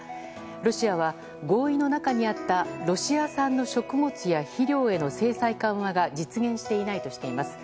ロシアは合意の中にあったロシア産の食物や肥料への制裁緩和が実現していないとしています。